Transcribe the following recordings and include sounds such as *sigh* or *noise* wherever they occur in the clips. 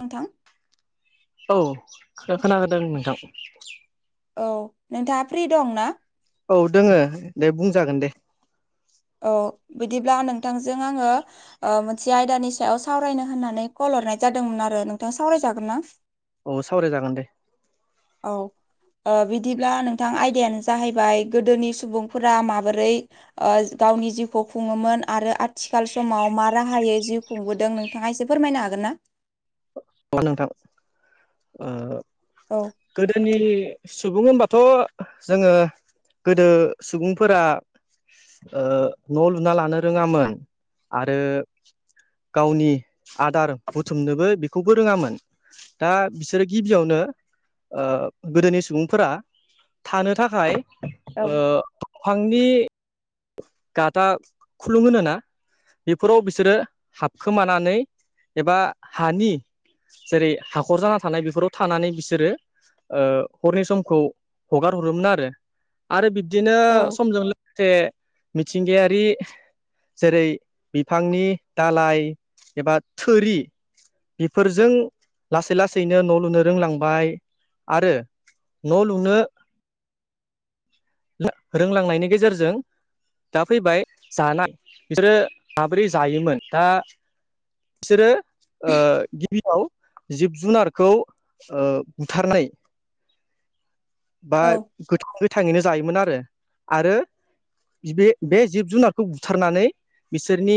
नोंथां औ खोनागादोंदों नोंथां। औ नोंथाङा फ्रि दं ना? औ दोङो दे बुंजागोन दे। औ बिदिब्ला नोंथांजों आङो मोनसे आयदानि सायाव सावरायनो होननानै कल हरनाय जादोंमोन आरो नोंथाङा सावरायजागोन ना? औ सावरायजागोन दे। औ बिदिब्ला नोंथां आयदायानो जाहैबाय गोदोनि सुबुंफोरा माबोरै ओ गावनि जिउखौ खुङोमोन आरो आथिखाल समाव मा राहायोै जिउ खुंबोदों नोंथाङा एसे फोरमायनो हागोन ना? अ नोंथां ओ औ गोदोनि सुबुं होनबाथ' जोङो गोदो सुबुंफोरा ओ न' लुना लानो रोङामोन आरो गावनि आदार बुथुमनोबो बेखौबो रोङामोन। दा बिसोरो गिबियावनो गोदोनि सुबुंफोरा थानो थाखाय औ आांनि गाथा खुलुमोो ना बेफोराव बिसोरो हाबखोमानानै एबा हानि जेरै हाखर जाना थानाय बेफोराव थानानै बिसोरो ओ हरनि समखौ हगार हरोमोन आरो। आरो बिब्दिनो औ समजों लोगोसे मिथिंगायारि जेरै बिफांनि दालइ एबा थुरि बेफोरजों लासै लासैनो न' लुनो रोंलांबाय आरो न' लुनो रोंलांनायनि गेजेरजों दा फैबाय जानाय बिसोरो माब्रै जायोमोन दा बिसोरो गिबियाव जिब जुनारखौ ओ बुथारनाय *inaudible* बा गोथां गोथाङैनो जायोमोन आरो आरो बे जिब जुनारखौ बुथारनानै बिसोरनि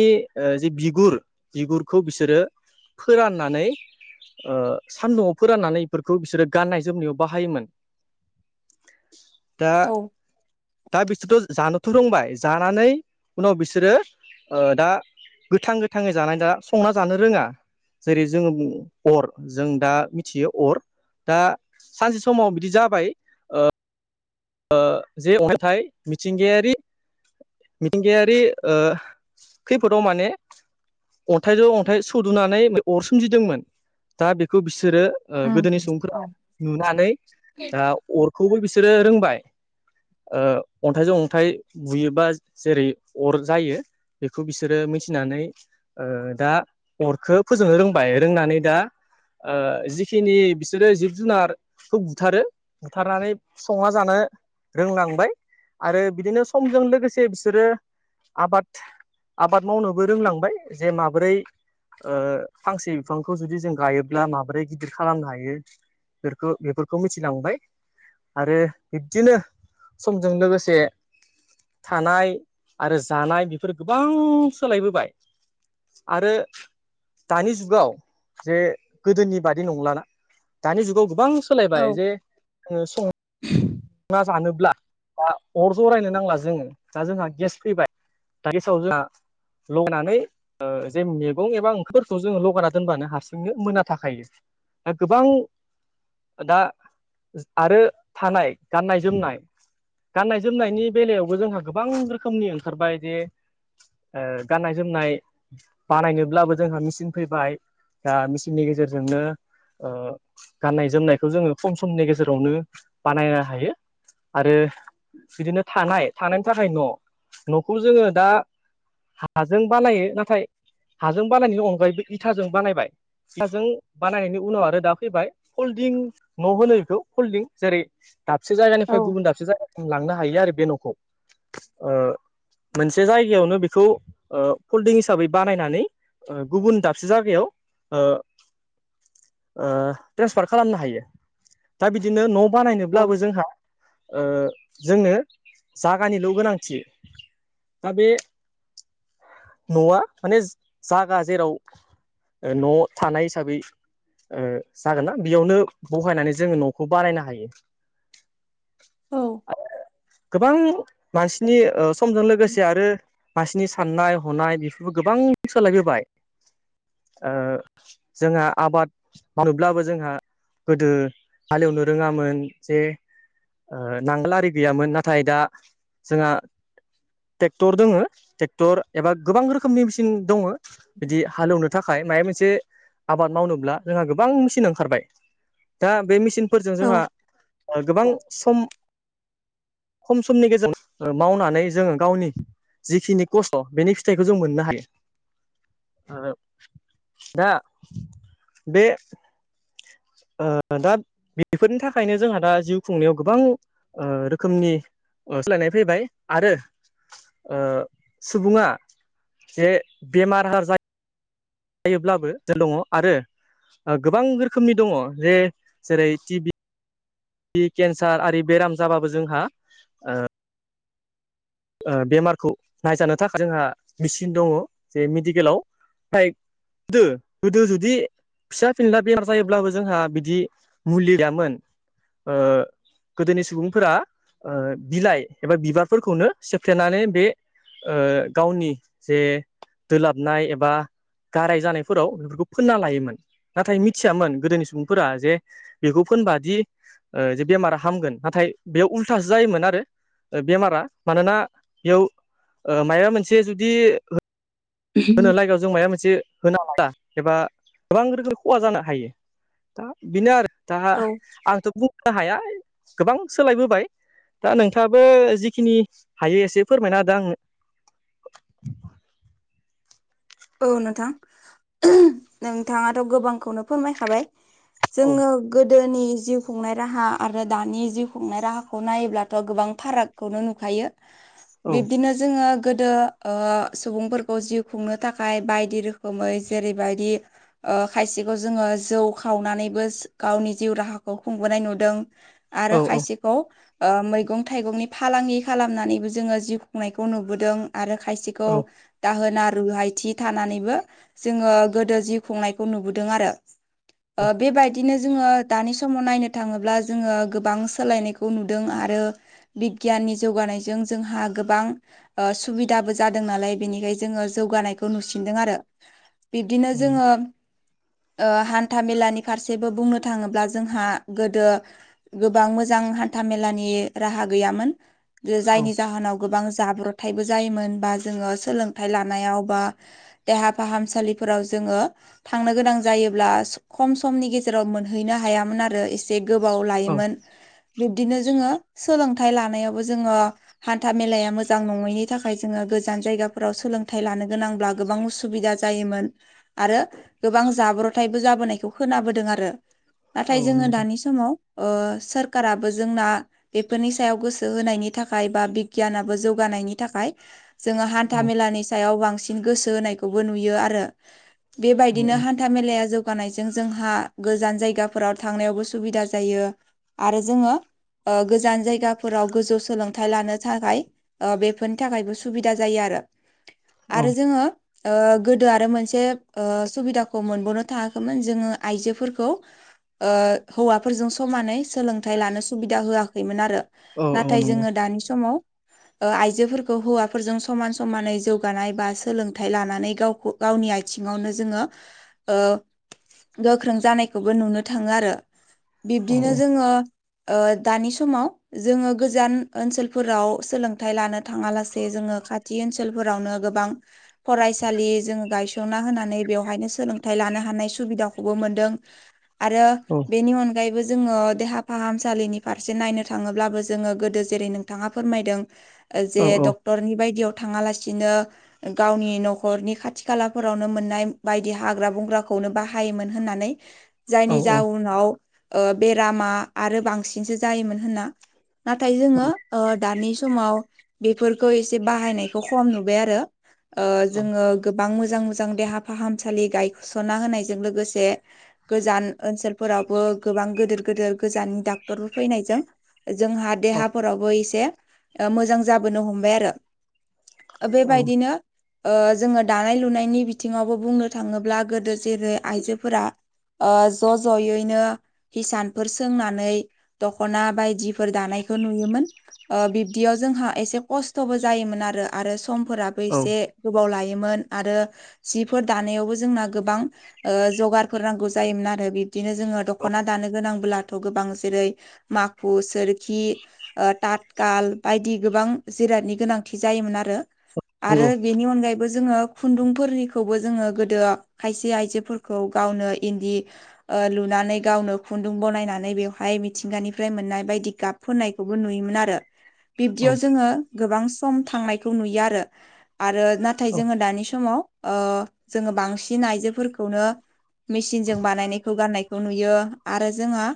जे बिगुर बिगुरखौ बिसोरो फोराननानै ओ सान्दुंआव फोराननानै इफोरखौ बिसोरो गाननाय जोमनायाव बाहायोमोन। *inaudible* दा औ दा बिसोरथ' जानोथ' रोंबाय जानानै उनाव बिसोरो ओ दा गोथां गोथाङै जानाय दा संना जानो रोङा जेरै जोङो अर जों दा मिथियो अर दा सानसे समाव बिदि जाबाय। जे अन्थाइ मिथिंगायारि मिथिंगायारि ओ खैफोदाव माने अन्थाइ जो अन्थाइ सुदुनानै अर सोमजिदोंमोन दा बेखौ बिसोरो ओ उम गोदोनि औ सुबुंफोरा नुनानै दा अरखौबो बिसोरो रोंबाय ओ अन्थाइजों अन्थाइ बुयोबा जेरै अर जायो बेखौ बिसोरो मिथिनानै ओ दा अरखो फोजोंनो रोंबाय रोंनानै दा ओ जिखिनि बिसोरो जिब जुनारखौ बुथारो बुथारनानै संना जानो रोंलांबाय आरो बिदिनो समजों लोगोसे बिसोरो आबाद आबाद मावनोबो रोंलांबाय जे माबोरै ओ फांसे बिफांखौ जुदि जों गायोब्ला माबोरै गिदिर खालामनो हायो बेफोरखो बेफोरखौ मिथिलांबाय आरो बि बिदिनो समजों लोगोसे थानाय आरो जानाय बेफोर गोबां सोलायबोबाय आरो दानि जुगाव जे गोदोनि बादि नंलाना दानि जुगाव गोबां औ सोलायबाय जे ओ सं ना जानोब्ला बा अर जरायनो नांला जोङो दा जोंहा गेस फैबाय दा गेसाव जोंहा लगायनानै ओ जे मेगं एबा ओंख्रिफोरखौ जोङो लगायना दोनबानो हारसिंनो मोनना थाखायो। दा गोबां दा आरो थानाय गाननाय जोमनाय गाननाय जोमनायनि बेलायावबो जोंहा गोबां रोखोमनि ओंखारबाय जे ओ गाननाय जोमनाय बानायनोब्लाबो जोंहा मिचिन फैबाय दा मिचिननि गेजेरजोंनो ओ गाननाय जोमनायखौ जोङो खम समनि गेजेरावनो बानायना हायो आरो बिदिनो थानाय थानायनि थाखाय न' न'खौ जोङो दा हाजों बानायो नाथाय हाजों बानायनायनि अनगायैबो इथाजों बानायबाय इथाजों बानायनायनि उनाव आरो दा फैबाय फल्डिं न' होनो बेखौ फलडिं जेरै दाबसे जायगानिफ्राय औ गुबुन दाबसे जायगासिम लांनो हायो आरो बे न'खौ ओ मोनसे जायगायावनो बिखौ ओ फलडिं हिसाबै बानायनानै गुबुन दाबसे जागायाव ओ *inaudible* ओ ट्रेन्सफार खालामनो हायो। दा बिदिनो न' बानायनोब्लाबो जोंहा ओ जोंनो जागानिल' गोनांथि दा बे न'आ माने जागा जेराव ओ न' थानाय हिसाबै ओ जागोनना बेयावनो बहायनानै जोङो न'खौ बानायनो हायो। गोबां मानसिनि ओ समजों लोगोसे आरो मासिनि साननाय हनाय बेफोरबो गोबां सोलायबोबाय ओ जोंहा आबाद मावोब्लाबो जोंहा गोदो हाले एवनो रोङामोन जे नांगोल आरि गैयामोन नाथाय दा जोंहा टेक्टर दङ टेक्टर एबा गोबां रोखोमनि मेसिन दङो बिदि हाल एवनो थाख थाखाय माबा मोनसे आबाद मावनोब्ला जोंहा गोबां मेचिन ओंखारबाय दा बे मचिन फोरजों औ जोंहा औ गोबां सम *inaudible* खम समनि गेजेराव मावनानै जोङो गावनि जिखिनि खस्थ' बेनि फिथाइखौ जों मोननो हायो आरो दा बे ओ दा बेफोरनि थाखायनो जोंहा दा जिउ खुंनायाव गोबां रोखोमनि ओ सोलायनाय फैबाय आरो सुबुङा जे बेमार आजार जायो जायोब्लाबो *unintelligible* दङ आरो गोबां रोखोमनि दङ जे जेरै टिबि केन्सार आरि बेराम जाबाबो जोंहा बेमारखौ नायजानो थाखाय जोंहा मेचिन दङ जे मेडिकेलाव फ्राय *unintelligible* गोदो जुदि फिसा फिनला बेमार जायोब्लाबो जोंहा बिदि मुलि गैयामोन ओ गोदोनि सुबुंफोरा बिलाइ एबा बिबारफोरखौनो सेफ्लेनानै बे गावनि जे दोलाबनाय एबा गाराय जानायफोराव बेफोरखौ फोनना लायोमोन नाथाय मिथियामोन गोदोनि सुबुंफोरा जे बेखौ फोनबादि ओ जे बेमारा हामगोन नाथाय बेयाव उल्थासो जायोमोन आरो बेमारा मानोना बेयाव मायबा मोनसे जुदि होनो लागायाव जों मायबा मोनसे होनो हाला एबा गोबां रोखोम खहा जानो हायो दा बेनो आरो दा औ आंथ' बुंनो हाया गोबां सोलायबोबाय दा नोंथाङाबो जिखिनि हायो एसे फोरमायना होदो आंनो औ नोंथां नोंथाङाथ' गोबांखौनो फोरमायखाबाय जोङो गोदोनि जिउ खुंनाय राहा आरो दानि जिउ खुंनाय राहाखौ नायोब्लाथ' गोबां फारागखौनो नुखायो होदो बिब्दिनो जोङो गोदो ओ सुबुंफोरखौ जिउ खुंनो थाखाय बायदि रोखोमै जेरैबायदि ओ खायसेखौ जोङो जौ खावनानैबो गावनि जिउ राहाखौ खुंबोनाय नुदों आरो आंनो खायसे खौ ओ मैगं थाइगंनि फालांगि खालामनानैबो जोङो जिउ खुंनायखौ नुबोदों आरो खायसेखौ दाहोना रुहाय थि थानानैबो जोङो गोदो जि खुंनायखौ नुदों आरो बेबाय दिनो जोङो दानि समाव नायनो थाङोब्ला जोङो गोबां सोलायनायखौ नुदों आरो बिगियाननि जौगानायजों जोंहा गोबां ओ सुबिदाबो जादों नालाय बेनिखायनो जोङो जौगानायखौ खौ नुसिनदों आरो बिब्दिनो जोङो ओ हान्था मेलानि फारसेबो बुंनो थाङोब्ला जोंहा गोदो गोबां मोजां हान्था मेलानि राहा गैयामोन ओ औ जायनि जाहोनाव गोबां जाब्रबथायबो जायोमोन बा जोङो सोलोंथाइ लानायाव बा देहा फाहामसालिफोराव जोङो थांनो गोनां जायोब्ला खम समनि गेजेराव मोनहैनो हायामोन आरो एसे गोबाव लायोमोन बिब्दिनो जोङो सोलोंथाइ लानायावबो जोङो हान्था मेलाया मोजां नङैनि थाखाय जोङो गोजान जायगाफोराव सोलोंथाइ लानो गोनांब्ला गोबां उसुबिदा जायोमोन आरो गोबां जाब्रथायबो जाबोनायखौ खोनाबोदों आरो औ नाथाय नंगौ औ जोङो नंगौ दानि समाव ओ सोरखाराबो जोंना बेफोरनि सायाव गोसो होनायनि थाखाय बा बिगियानाबो जौगानायनि थाखाय जोङो औ हान्था मेलानि सायाव बांसिन गोसो होनायखौबो नुयो आरो औ बेबायदिनो हान्था मेलाया जौगानायजों जोंहा गोजान जायगाफोराव थांनायावबो सुबिदा जायो। आरो जोङो ओ गोजान जायगाफोराव गोजौ सोलोंथाइ लानो थाखाय ओ बेफोरनि थाखायबो सुबिदा जायो आरो औ आरो जोङो ओ गोदो आरो मोनसे सुबिदाखौ मोनबावनो थाङाखैमोन जोङो आइजोफोरखौ ओ हौवाफोरजों समानै सोलोंथाइ लानो सुबिदा होआखैमोन आरो। औ औ नाथाय नंगौ जोङो दानि समाव ओ आइजोफोरखौ हौवाफोरजों समान समानै जौगानाय बा सोलों थाय लानानै गावखौ गावनि आथिङावनो जोङो ओ गोख्रों जानायखौबो नुनो थाङो आरो औ बिब्दिनो जोङो ओ दानि समाव जोङो गोजान ओनसोलफोराव सोलोंथाइ लानो थाङालासे जोङो खाथि ओनसोलफोरावनो गोबां फरायसालि जोङो गाय ना होनानै बेवहायनो सोलोंथाइ लानो हानाय सुबिदाखौबो मोनदों। आरो औ बेनि अनगायैबो जोङो देहा फाहामसालिनि फारसे नायनो थाङोब्लाबो जोङो गोदो जेरै नोंथाङा फोरमायदों औ जे औ डक्टरनि बायदियाव थाङालासिनो गावनि न'खरनि खाथि खालाफोरावनो मोननाय बायदि हाग्रा बंग्राखौनो बाहायोमोन होननानै औ जायनि औ जाउनाव बेरामा आरो बांसिनसो जायोमोन होनना नाथाय जोङो औ दानि समाव बेफोरखौ एसे बाहायनायखौ खम नुबाय आरो। ओ जोङो गोबां मोजां मोजां देहा फाहामसालि गायस'ना होनायजों लोगोसे गोजान ओनसोलफोरावबो गोबां गोदोर गोदोर गोजान डाक्टरफोर फैनायजों जोंहा देहाफोरावबो एसे ओ मोजां जाबोनो हमबाय आरो। बेबायदिनो ओ जोङो दानाय लुनायनि बिथिङावबो बुंनो थाङोब्ला गोदो जेरै आइजोफोरा ओ ज' ज'यैनो हिसानफोर सोंनानै दख'ना बायदिफोर दानायखौ नुयोमोन। ओ बिब्दियाव जोंहा एसे खस्थ'बो जायोमोन आरो आरो समफोराबो नंगौ औ एसे गोबाव लायोमोन आरो जिफोर दानायावबो जोंना गोबां जगारफोर नांगौ जायोमोन आरो बिब्दिनो जोङो दख'ना दानो गोनांबोब्लाथ' गोबां जेरै माखु सोरखि ओ ततखाल बायदि गोबां जिरादनि गोनांथि जायोमोन आरो औ आरो बेनि अनगायैबो जोङो खुन्दुंफोरनिखौबो जोङो गोदो खायसे आइजोफोरखौ गावनो इन्दि लुनानै गावनो खुन्दुं बनायनानै बेवहाय मिथिंगानिफ्राय मोननाय बायदि गाब फोननायखौबो नुयोमोन आरो। बिब्दियाव जोङो गोबां सम थांनायखौ नुयो आरो आरो ना नाथाय जोङो दानि समाव ओ जोङो बांसिन आइजोफोरखौनो मेसिनजों बानायनायखौ गाननायखौ नुयो आरो जोङहा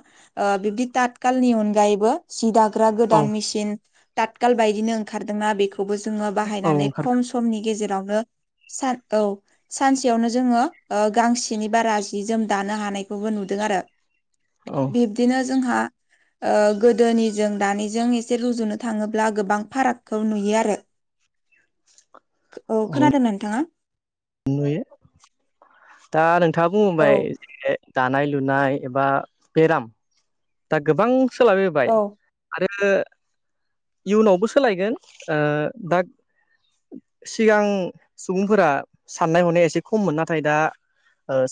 बिबदि तातखालनि अनगायैबो सि दाग्रा औ गोदान मेसिन तातखाल बायदिनो ओंखारदोंना बेखौबो जोङो औ बाहायनानै ओंखारदों खम समनि गेजेरावनो सार औ सानसेयावनो जोङो ओ गांसेनि बारा जि जोम दानो हानायखौबो नुदों आरो। बिब्दिनो जोंहा ओ गोदोनिजों दानिजों एसे रुजुनो थाङोब्ला गोबां फारागखौ नुयो आरो। औ खोनादों नोंथाङा? नुयो दा नोंथाङा औ बुंबाय दानाय लुनाय एबा पेराम दा गोबां सोलाबोबाय आरो इयुनावबो सोलायगोन दा सिगां सुबुंफोरा साननाय हनाया एसे खममोन नाथाय दा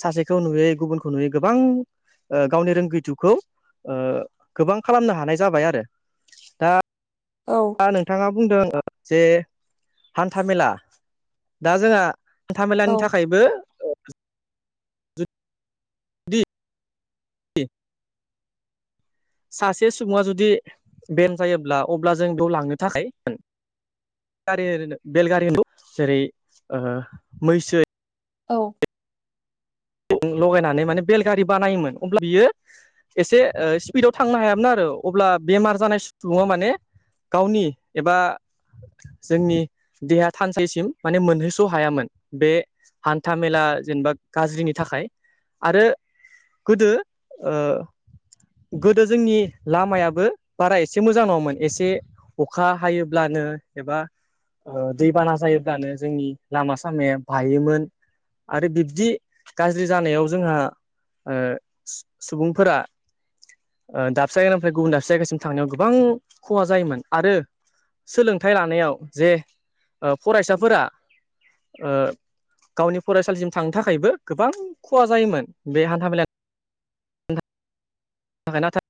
सासेखौ नुयै गुबुनखौ नुयै गोबां गावनि रोंगौथिौखौ गोबां खालामनो हानाय जाबाय आरो औ नोंथाङा बुंदों जे हान्था मेला दा जोंहा हान्थाामेलानि औ थाखायबो जुदि सासे सुबुङा जुदि बेम जायोब्ला अब्ला जों बेयाव लांनो थाखाय गारि बेलगारि होनबाव जेरै मैसो औ लगायनानै माने बेलगारि बानायोमोन अब्ला बियो एसे स्पिडाव थांनो हायामोन आरो अब्ला बेमार जानाय सुबुङा माने गावनि एबा जोंनि देहा थानसेसिम माने मोनहैस' हायामोन बे हान्था मेला जेनेबा गाज्रिनि थाखाय आरो गोदो गोदो जोंनि लामायाबो बारा एसे मोजां नङामोन एसे अखा हायोब्लानो एबा दैबाना जायोब्लानो जोंनि लामा सामाया बायोमोन आरो बिब्दि। गाज्रि जानायाव जोंहा सुबुंफोरा दाबसे जायगानिफ्राय गुबुन दाबसे जायगासिम थांनायाव गोबां खहा जायोमोन आरो सोलोंथाइ लानायाव जे फरायसाफोरा गावनि फरायसालिसिम थांनो थाखायबो गोबां खहा जायोमोन बे हान्था मेलानि नाथाय